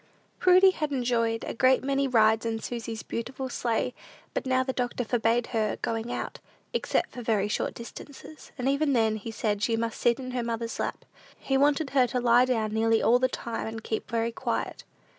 Prudy had enjoyed a great many rides in Susy's beautiful sleigh; but now the doctor forbade her going out, except for very short distances, and even then, he said, she must sit in her mother's lap. He wanted her to lie down nearly all the time, and keep very quiet.